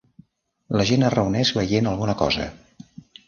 La gent es reuneix veient alguna cosa.